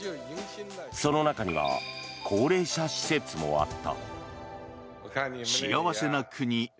その中には高齢者施設もあった。